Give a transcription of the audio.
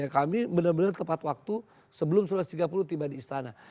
kami benar benar tepat waktu sebelum satu ratus tiga puluh tiba di istana